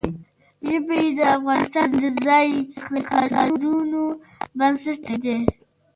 ژبې د افغانستان د ځایي اقتصادونو بنسټ دی.